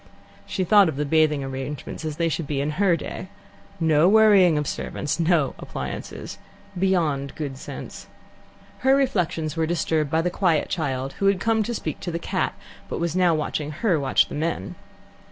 She thought of the bathing arrangements as they should be in her day no worrying of servants, no appliances, beyond good sense. Her reflections were disturbed by the quiet child, who had come out to speak to the cat, but was now watching her watch the men.